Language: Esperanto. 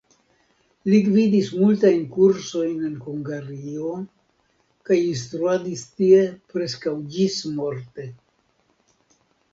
Li gvidis multajn kursojn en Hungario, kaj instruadis tie preskaŭ ĝis-morte.